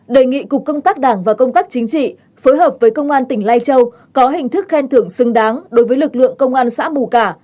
đề nghị cục công tác đảng và công tác chính trị phối hợp với công an tỉnh lai châu có hình thức khen thưởng xứng đáng đối với lực lượng công an xã bù cả